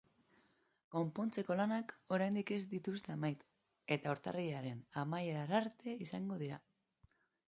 Konpontzeko lanak oraindik ez dituzte amaitu, eta urtarrilaren amaierara arte izango dira.